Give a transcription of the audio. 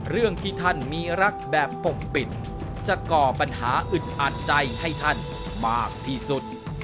เรื่องที่ท่านมีรักแบบปกปิดจะก่อปัญหาอึดอัดใจให้ท่านมากที่สุด